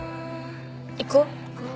行こう。